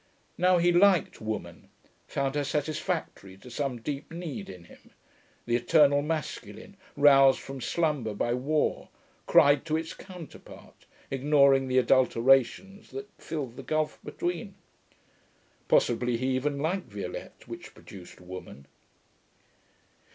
Now he liked Woman, found her satisfactory to some deep need in him; the eternal masculine, roused from slumber by war, cried to its counterpart, ignoring the adulterations that filled the gulf between. Possibly he even liked Violette, which produced Woman.